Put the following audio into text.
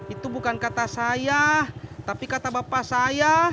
itu bukan kata saya tapi kata bapak saya